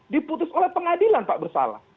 diputus oleh pengadilan pak bersalah